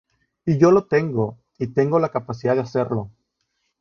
Y yo lo tengo, y tengo la capacidad de hacerlo.